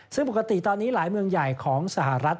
ซึ่งปกติตอนนี้หลายเมืองใหญ่ของสหรัฐ